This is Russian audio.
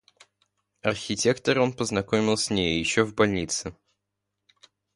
Архитектора он познакомил с нею еще в больнице.